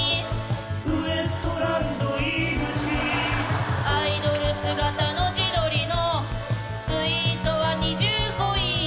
・「ウエストランド井口」「アイドル姿の自撮りのツイートは２５いいね」